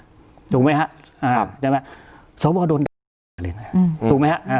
เลือกขึ้นมาถูกไหมฮะครับใช่ไหมสวบอลโดนอืมถูกไหมฮะอ่า